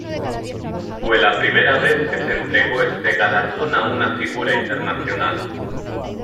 Fue la primera vez que se entregó este galardón a una figura internacional.